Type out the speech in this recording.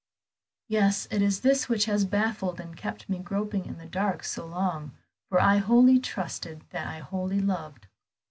"Yes, it is this which has baffled and kept me groping in the dark so long, for I wholly trusted what I wholly loved."